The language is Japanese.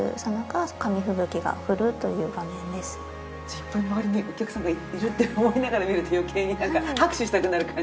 自分の周りにお客さんがいるって思いながら見ると余計になんか拍手したくなる感じ。